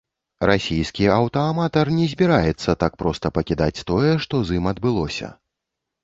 Расійскі аўтааматар не збіраецца так проста пакідаць тое, што з ім адбылося.